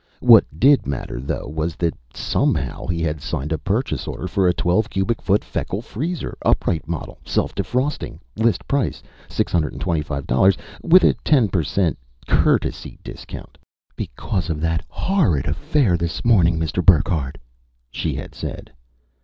What did matter, though, was that somehow he had signed a purchase order for a twelve cubic foot Feckle Freezer, upright model, self defrosting, list price $625, with a ten per cent "courtesy" discount "Because of that horrid affair this morning, Mr. Burckhardt," she had said.